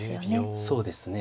あっそうですね。